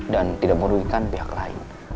dan tidak merugikan pihak lain